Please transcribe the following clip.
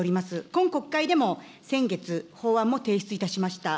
今国会でも先月、法案も提出いたしました。